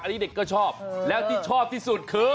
อันนี้เด็กก็ชอบแล้วที่ชอบที่สุดคือ